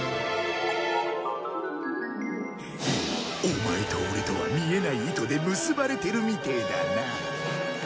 オマエとオレとは見えない糸で結ばれてるみてえだなあ。